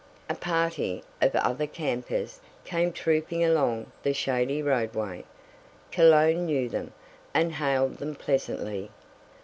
A party of other campers came trooping along the shady roadway. Cologne knew them, and hailed them pleasantly.